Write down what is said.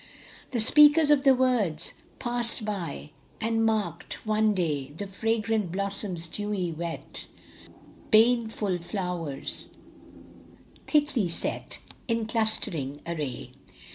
The speakers of the words Passed by and marked, one day, The fragrant blossoms dewy wet, The baneful flowers thickly set In clustering array.